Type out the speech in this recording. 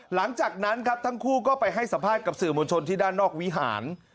หลังจากนั้นครับทั้งคู่ก็ไปให้สัมภาษณ์กับสื่อมวลชนที่ด้านนอกวิหาร